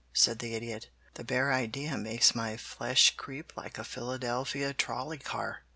said the Idiot. "The bare idea makes my flesh creep like a Philadelphia trolley car!